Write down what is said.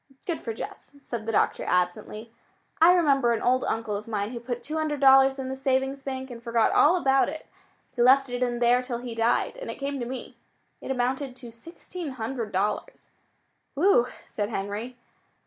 "Good for Jess," said the doctor absently. "I remember an old uncle of mine who put two hundred dollars in the savings bank and forgot all about it. He left it in there till he died, and it came to me. It amounted to sixteen hundred dollars." "Whew!" said Henry.